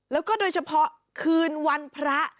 แล้วก็โดยเฉพาะคืนวันพระ